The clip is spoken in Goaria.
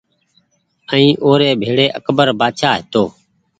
ائين او ر ڀيڙي اڪبر بآڇآ هيتو